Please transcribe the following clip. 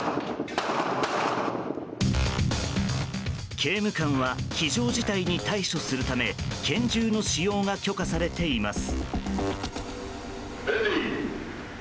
刑務官は非常事態に対処するため拳銃の使用が許可されています。